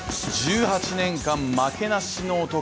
１８年間、負けなしの男。